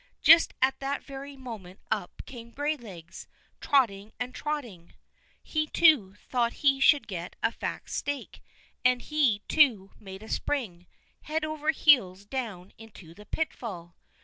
Just at that very moment up came Graylegs, trotting and trotting. He, too, thought he should get a fat steak, and he, too, made a spring—head over heels down into the pitfall.